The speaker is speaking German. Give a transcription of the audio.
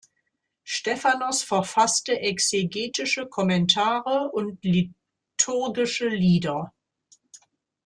Stephanos verfasste exegetische Kommentare und liturgische Lieder.